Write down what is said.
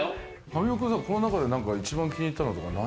神尾君、この中で一番気に入ったのとか何？